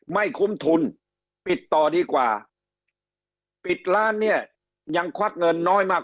ไม่คุ้มทุนปิดต่อดีกว่าปิดร้านเนี่ยยังควักเงินน้อยมาก